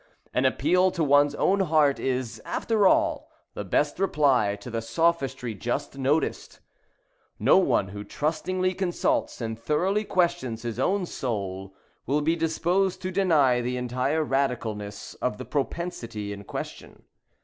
An appeal to one's own heart is, after all, the best reply to the sophistry just noticed. No one who trustingly consults and thoroughly questions his own soul, will be disposed to deny the entire radicalness of the propensity in question.